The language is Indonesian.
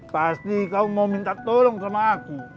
pasti kau mau minta tolong sama aku